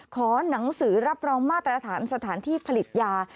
ขอหนังสือรับรองมาตรฐานสถานที่ผลิตยา